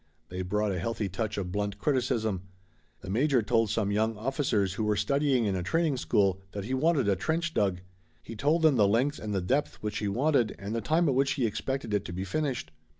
They brought a healthy touch of blunt criticism. The major told some young officers who were studying in a training school that he wanted a trench dug. He told them the length and the depth which he wanted and the time at which he expected it to be finished.